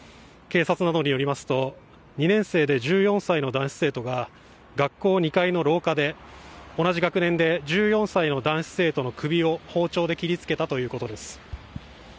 警察などによりますと、２年生で１４歳の男子生徒が学校２階の廊下で同じ学年で１４歳の男子生徒の首を包丁で切りつけたということです。